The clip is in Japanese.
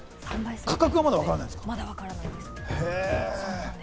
価格はまだわかまだわからないです。